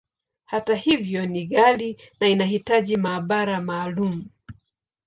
Hata hivyo, ni ghali, na inahitaji maabara maalumu.